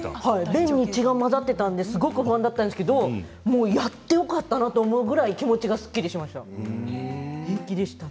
便に血が混じっていたのですごく不安だったんですけどやってよかったなというぐらい、気持ちがすっきりしました。